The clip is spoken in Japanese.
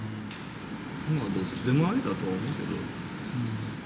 どっちでもありだとは思うけど。